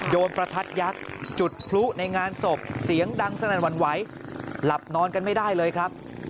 ประทัดยักษ์จุดพลุในงานศพเสียงดังสนั่นหวั่นไหวหลับนอนกันไม่ได้เลยครับ